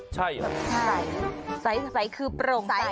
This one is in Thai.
ใช่เหรอใสคือโปร่งใส